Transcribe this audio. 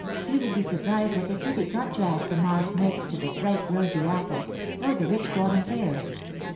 You would be surprised what a pretty contrast the moss makes to the bright rosy apples or the rich golden pears.